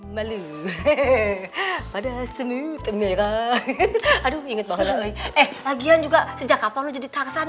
malu pada semut merah aduh inget banget lagi lagi juga sejak apa lo jadi tarzan